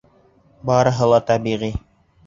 Барыһы ла тәбиғи.